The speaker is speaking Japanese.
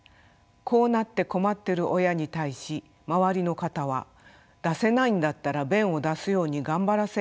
こうなって困ってる親に対し周りの方は出せないんだったら便を出すように頑張らせよと言うのです。